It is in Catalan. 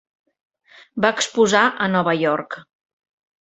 Va exposar a Nova York.